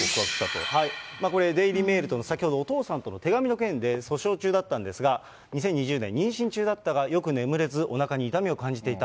これ、デイリー・メールとの、先ほどお父さんとの手紙の件で訴訟中だったんですが、２０２０年、妊娠中だったがよく眠れず、おなかに痛みを感じていた。